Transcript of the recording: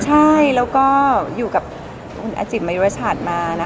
ใช่แล้วก็อยู่กับคุณอาจิตมยุรชาติมานะคะ